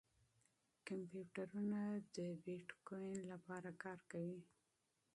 کمپیوټرونه د بېټکوین لپاره کار کوي.